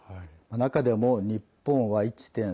中でも日本は１．３０